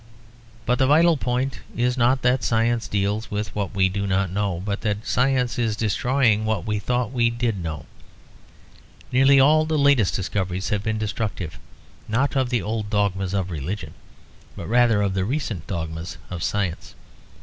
But the vital point is, not that science deals with what we do not know, but that science is destroying what we thought we did know. Nearly all the latest discoveries have been destructive, not of the old dogmas of religion, but rather of the recent dogmas of science.